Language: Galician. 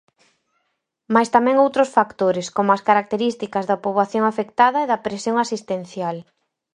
Mais tamén outros factores, como as características da poboación afectada e da presión asistencial.